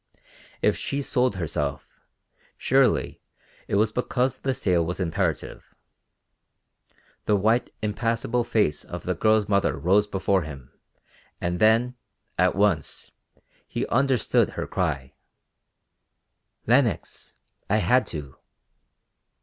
If she sold herself, surely it was because the sale was imperative. The white impassible face of the girl's mother rose before him and then, at once, he understood her cry, "Lenox, I had to."